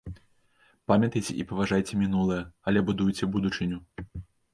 Памятайце і паважайце мінулае, але будуйце будучыню!